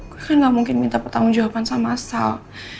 gue kan gak mungkin minta pertanggung jawaban sama sal